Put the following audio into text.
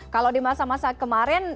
kalau di masa masa kemarin